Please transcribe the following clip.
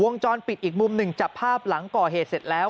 จรปิดอีกมุมหนึ่งจับภาพหลังก่อเหตุเสร็จแล้ว